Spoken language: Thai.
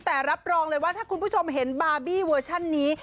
แต่รับรองเลยว่าถ้าคุณผู้ชมเห็นบาร์บี้เวอร์ชันนี้